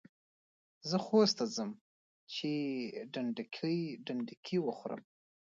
زه خوست ته ځم چي ډنډکۍ وخورم.